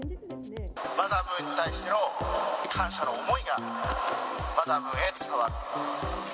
マザームーンに対しての感謝の思いがマザームーンへ伝わる。